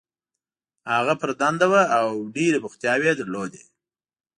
هغه پر دنده وه او ډېرې بوختیاوې یې درلودې.